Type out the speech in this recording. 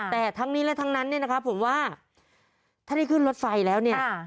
แต่ทั้งนี้และทั้งนั้นผมว่าถ้าได้ขึ้นรถไฟแล้ว